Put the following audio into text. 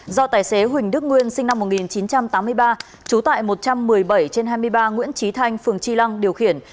do tài xế huỳnh đức nguyên sinh năm một nghìn chín trăm tám mươi ba trú tại một trăm một mươi bảy trên hai mươi ba nguyễn trí thanh phường tri lăng điều khiển